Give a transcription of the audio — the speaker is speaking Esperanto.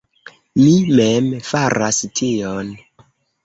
Mi mem faras tion.